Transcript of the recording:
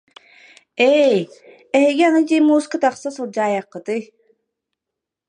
Ээй, эһиги аны ити мууска тахса сылдьаа- йаххытый